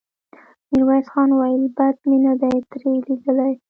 ميرويس خان وويل: بد مې نه دې ترې ليدلي.